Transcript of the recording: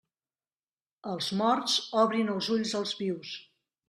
Els morts obrin els ulls als vius.